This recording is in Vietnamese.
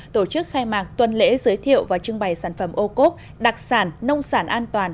tổ chức khai mạc tuần lễ giới thiệu và trưng bày sản phẩm ô cốp đặc sản nông sản an toàn